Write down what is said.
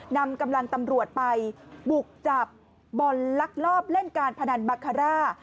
นำกำลังตำรวจไปบุกจับบอลลักลอบเล่นการพนันบาคาร่า